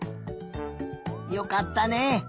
よかったね。